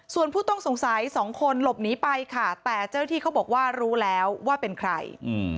ส่วนผู้ต้องสงสัยสองคนหลบหนีไปค่ะแต่เจ้าหน้าที่เขาบอกว่ารู้แล้วว่าเป็นใคร